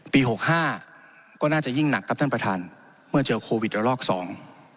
หกห้าก็น่าจะยิ่งหนักครับท่านประธานเมื่อเจอโควิดระลอกสอง